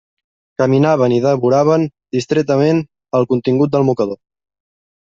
Caminaven i devoraven distretament el contingut del mocador.